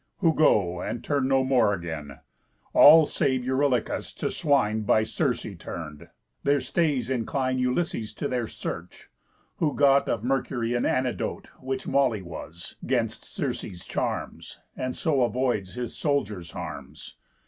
Who go, and turn no more again, All, save Eurylochus, to swine By Circe turn'd. Their stays incline Ulysses to their search; who got Of Mercury an antidote, Which moly was, 'gainst Circe's charms, And so avoids his soldiers' harms.